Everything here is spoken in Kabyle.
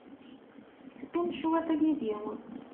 Qqim cwiṭ yid-i.